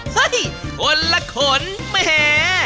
เฮ้ยขนละขนแหม